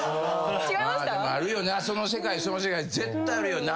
その世界その世界絶対あるよな。